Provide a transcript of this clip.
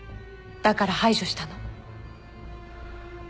だから排除したの。